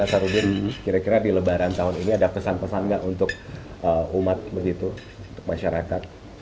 nasarudin kira kira di lebaran tahun ini ada pesan pesan nggak untuk umat begitu untuk masyarakat